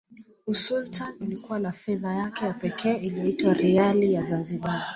Usultani ulikuwa na fedha yake ya pekee iliyoitwa Riali ya Zanzibar